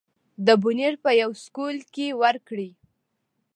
د بونېر پۀ يو سکول کښې وکړې